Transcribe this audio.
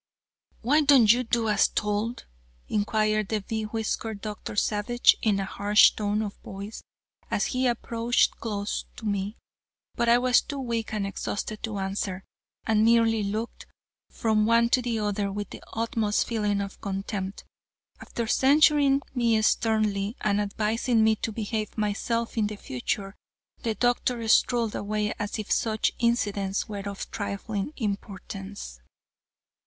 "Why don't you do as told?" inquired the be whiskered Dr. Savage, in a harsh tone of voice, as he approached close to me, but I was too weak and exhausted to answer, and merely looked from one to the other with the utmost feeling of contempt. After censuring me sternly and advising me to behave myself in the future, the doctor strolled away as if such incidents were of trifling importance.